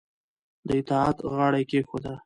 د اطاعت غاړه یې کېښوده